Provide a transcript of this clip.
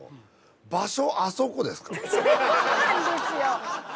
そうなんですよ！